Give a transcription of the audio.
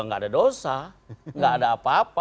enggak ada dosa enggak ada apa apa